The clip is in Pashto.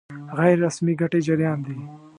غیر رسمي ګټې جريان دي.